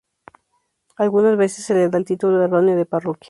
Algunas veces se le da el título erróneo de "parroquia".